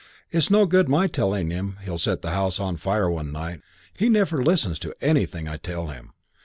It's no good my telling him he'll set the house on fire one night. He never listens to anything I tell him."